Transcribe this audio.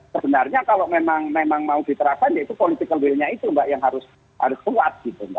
sebenarnya kalau memang mau diterapkan itu political willnya itu yang harus kuat